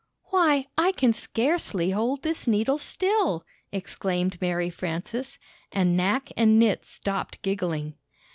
"Why, I can scarcely hold this needle still!" exclaimed Mary Frances, and Knack and Knit stopped gigghng.